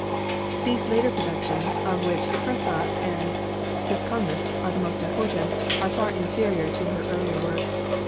These later productions, of which 'Hertha' and 'Syskonlif' are the most important, are far inferior to her earlier work.